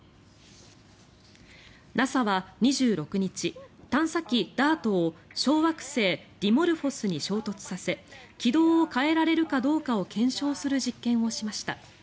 ＮＡＳＡは２６日探査機ＤＡＲＴを小惑星ディモルフォスに衝突させ軌道を変えられるかどうかを検証する実験をしました。